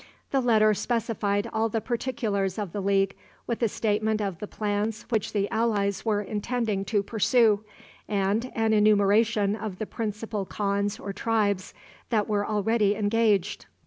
The letter specified all the particulars of the league, with a statement of the plans which the allies were intending to pursue, and an enumeration of the principal khans or tribes that were already engaged.